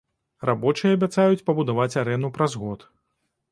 Рабочыя абяцаюць пабудаваць арэну праз год.